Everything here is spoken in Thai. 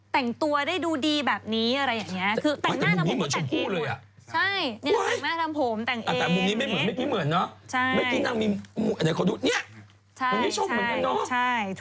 แต่งตัวได้ดูดีแบบนี้อะไรอย่างนี้